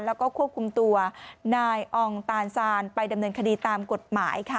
แล้วก็ควบคุมตัวนายอองตานซานไปดำเนินคดีตามกฎหมายค่ะ